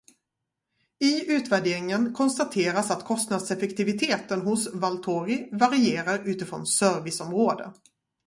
I utvärderingen konstateras att kostnadseffektiviteten hos Valtori varierar utifrån serviceområde.